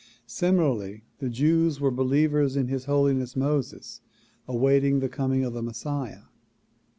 Similarly the Jews were believers in His Holiness Moses, await ing the coming of the Messiah.